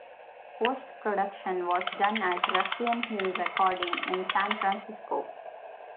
Post-production was done at Russian Hill Recording in San Francisco.